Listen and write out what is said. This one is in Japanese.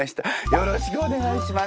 よろしくお願いします。